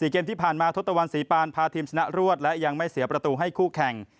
เกมที่ผ่านมาทศตวรรษีปานพาทีมชนะรวดและยังไม่เสียประตูให้คู่แข่ง